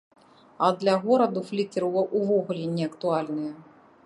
А для гораду флікеры ўвогуле не актуальныя.